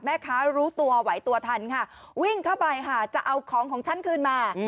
แม่ค้ารู้ตัวไหวตัวทันวิ่งเข้าไปจะเอาของของฉันคืนมา